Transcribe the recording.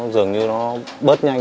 dường như nó bớt nhanh